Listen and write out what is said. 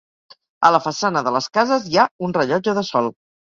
A la façana de les cases hi ha un rellotge de sol.